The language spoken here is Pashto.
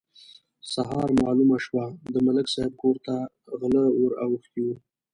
سهار مالومه شوه: د ملک صاحب کور ته غله ور اوښتي وو.